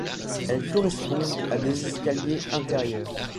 Elles correspondent à des escaliers intérieurs.